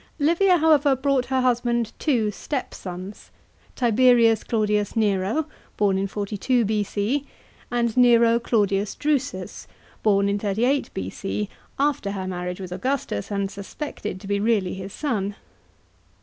Livia, however, brought her husband two stepsons : Tiberius Claudius Nero (born in 42 B.C.) and Nero Claudius Drusus, born in 38 B.C., after her marriage with Augustus, and suspected to be really his son.